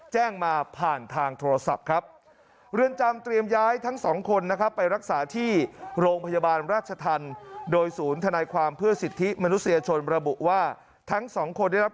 แจ้งมาผ่านทางโทรศัพท์ครับ